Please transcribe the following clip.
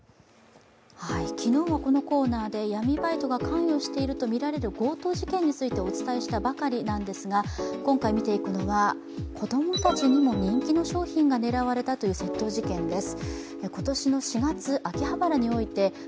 昨日もこのコーナーで闇バイトが関与しているとみられる強盗事件についてお伝えしたばかりなんですが今回見ていくのは子供たちにも人気の商品が狙われたという窃盗事件です。